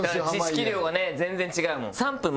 知識量がね全然違うもん。